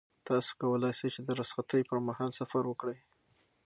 تاسو کولای شئ چې د رخصتۍ پر مهال سفر وکړئ.